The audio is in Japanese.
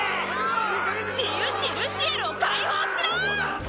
治癒士ルシエルを解放しろ！